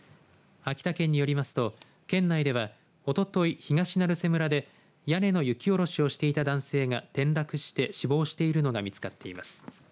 秋田県によりますと県内ではおととい東成瀬村で屋根の雪下ろしをしていた男性が転落して死亡しているのが見つかっています。